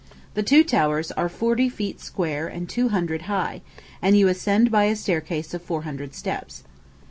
The two towers are forty feet square and two hundred high, and you ascend by a staircase of four hundred steps.